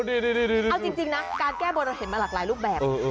เอาจริงนะการแก้บนเราเห็นมาหลากหลายรูปแบบ